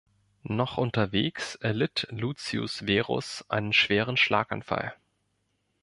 Noch unterwegs erlitt Lucius Verus einen schweren Schlaganfall.